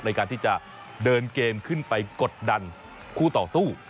ในการที่จะเดินเกมขึ้นไปกดดันคู่ต่อสู้